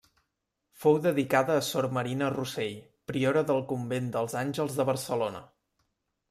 Fou dedicada a Sor Marina Rossell priora del convent dels Àngels de Barcelona.